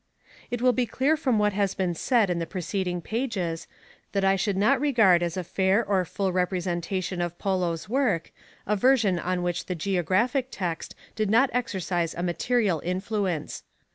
90. It will be clear from what has been said in the preceding pages that I should not regard as a fair or full representation of Polo's Work, a version on which the Geographic Text did not exercise a material influence.